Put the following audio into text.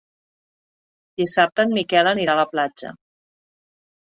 Dissabte en Miquel anirà a la platja.